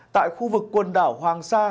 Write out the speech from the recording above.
tại khu vực quần đảo hoàng sa